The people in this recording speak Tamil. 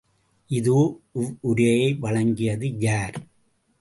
இதோ இவ்வுரையை வழங்கியது யார்?